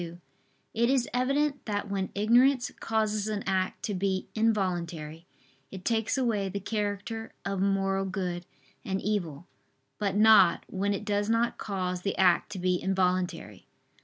2); it is evident that when ignorance causes an act to be involuntary, it takes away the character of moral good and evil; but not, when it does not cause the act to be involuntary.